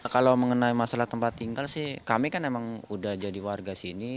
kalau mengenai masalah tempat tinggal sih kami kan emang udah jadi warga sini